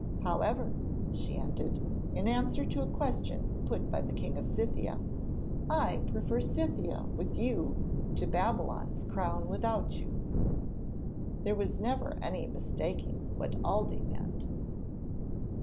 'However,' she ended, in answer to a question put by the King of Scythia; 'I prefer Scythia with you to Babylon's crown without you.' There never was any mistaking what Aldée meant.